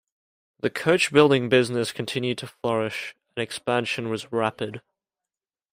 The coachbuilding business continued to flourish and expansion was rapid.